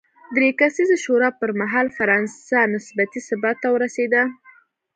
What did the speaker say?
درې کسیزې شورا پر مهال فرانسه نسبي ثبات ته ورسېده.